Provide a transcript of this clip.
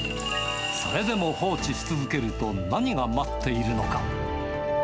それでも放置し続けると何が待っているのか。